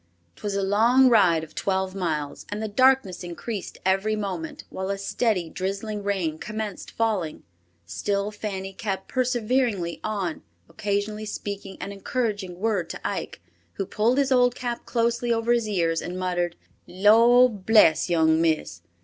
'Twas a long ride of twelve miles and the darkness increased every moment, while a steady, drizzling rain commenced falling. Still Fanny kept perseveringly on, occasionally speaking an encouraging word to Ike, who pulled his old cap closely over his ears and muttered, "Lord bless young miss.